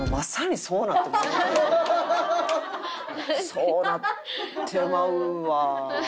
そうなってまうわ。